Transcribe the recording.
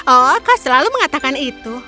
oh kau selalu mengatakan itu